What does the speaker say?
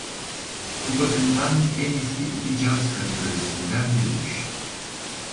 Bu bakımdan en eski iki caz kategorisinden birisidir.